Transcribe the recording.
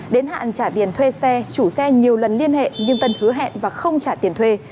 đến hạn trả tiền thuê xe chủ xe nhiều lần liên hệ nhưng tân hứa hẹn và không trả tiền thuê